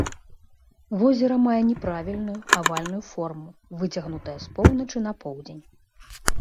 Возера мае няправільную, авальную форму, выцягнутая з поўначы на поўдзень.